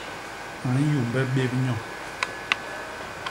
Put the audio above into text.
A nyumbe bép nyo.